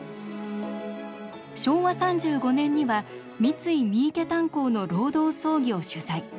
昭和３５年には三井三池炭鉱の労働争議を取材。